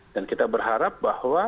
dan kita berharap bahwa